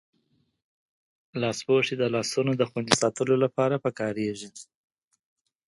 لاسپوښي د لاسونو دخوندي ساتلو لپاره پکاریږی.